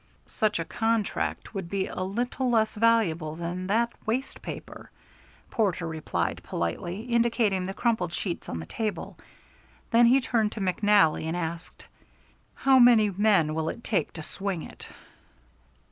"Such a contract would be a little less valuable than that waste paper," Porter replied politely, indicating the crumpled sheets on the table. Then he turned to McNally and asked, "How many men will it take to swing it?"